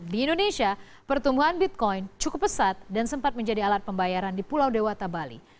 di indonesia pertumbuhan bitcoin cukup pesat dan sempat menjadi alat pembayaran di pulau dewata bali